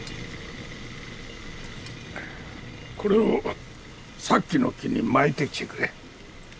これをさっきの木に巻いてきてくれ。